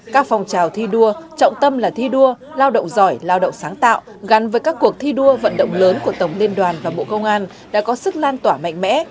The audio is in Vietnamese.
các phòng trào thi đua trọng tâm là thi đua lao động giỏi lao động sáng tạo gắn với các cuộc thi đua vận động lớn của tổng liên đoàn và bộ công an đã có sức lan tỏa mạnh mẽ